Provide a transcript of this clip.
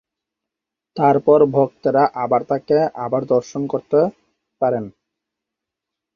তারপর ভক্তেরা আবার তাকে আবার দর্শন করতে পারেন।